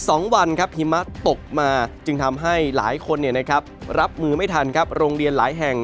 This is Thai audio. สองวันครับหิมะตกมาจึงทำให้หลายคนเนี่ยนะครับรับมือไม่ทันครับโรงเรียนหลายแห่ง